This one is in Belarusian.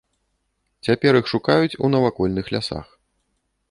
Цяпер іх шукаюць у навакольных лясах.